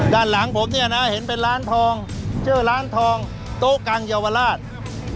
ด้านหลังผมเนี่ยนะเห็นเป็นร้านทองเจอร้านทองโต๊ะกลางเยาวราช